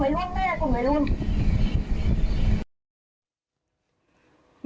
ใช่กลุ่มไว้ร่วมด้วยนะกลุ่มไว้ร่วม